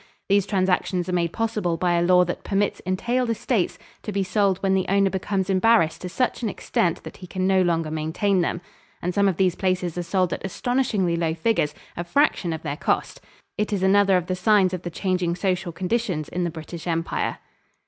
These transactions are made possible by a law that permits entailed estates to be sold when the owner becomes embarrassed to such an extent that he can no longer maintain them. And some of these places are sold at astonishingly low figures a fraction of their cost. It is another of the signs of the changing social conditions in the British Empire.